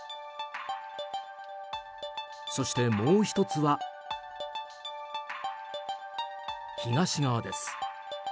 そして、もう１つは東側です。